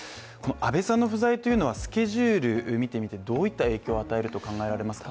安倍さんの不在というのはスケジュールを見て、どんな影響を与えると思いますか？